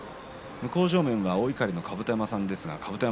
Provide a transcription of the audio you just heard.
向正面は大碇の甲山さんです。